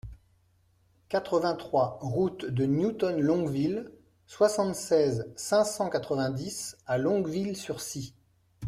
quatre-vingt-trois route de Newton Longville, soixante-seize, cinq cent quatre-vingt-dix à Longueville-sur-Scie